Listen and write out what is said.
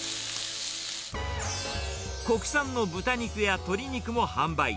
国産の豚肉や鶏肉も販売。